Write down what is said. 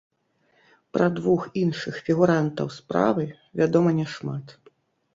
Пра двух іншых фігурантаў справы вядома няшмат.